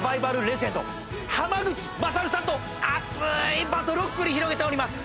レジェンド濱口優さんと熱いバトルを繰り広げております